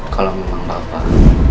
kalau memang bapak